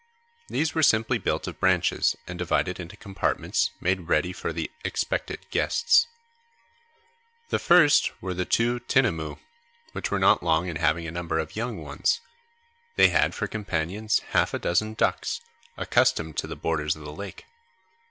These were simply built of branches and divided into compartments made ready for the expected guests. [Illustration: PENCROFT'S SCARECROWS] The first were the two tinamous, which were not long in having a number of young ones; they had for companions half a dozen ducks, accustomed to the borders of the lake.